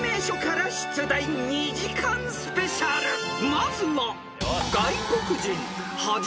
［まずは］